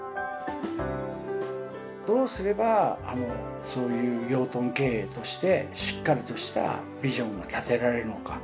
どうすればそういう養豚経営としてしっかりとしたビジョンが立てられるのか。